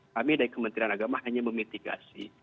kami dari kementerian agama hanya memitigasi